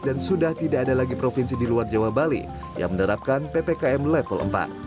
dan sudah tidak ada lagi provinsi di luar jawa bali yang menerapkan ppkm level empat